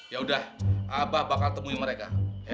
yaudah aba bakal temuin mereka